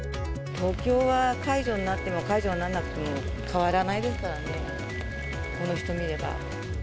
東京は解除になっても、解除にならなくても、変わらないですからね、この人見れば。